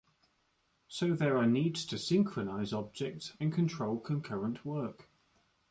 So, there are needs to synchronize objects and control concurrent work.